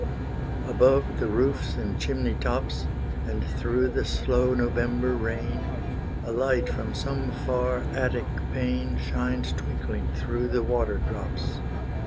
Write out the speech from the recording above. Above the roofs and chimney tops, And through the slow November rain, A light from some far attic pane, Shines twinkling through the water drops.